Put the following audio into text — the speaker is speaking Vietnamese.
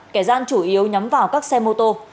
kẻ gian chủ yếu nhắm vào các xe mô tô